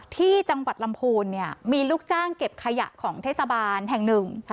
ที่จังหวัดลำพูนเนี่ยมีลูกจ้างเก็บขยะของเทศบาลแห่งหนึ่ง